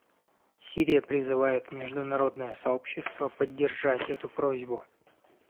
Сирия призывает международное сообщество поддержать эту просьбу.